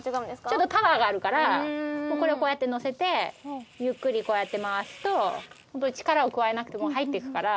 ちょっとパワーがあるからこれをこうやってのせてゆっくりこうやって回すとホントに力を加えなくても入っていくから。